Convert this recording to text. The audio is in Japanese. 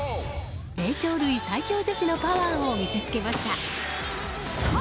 霊長類最強女子のパワーを見せつけました。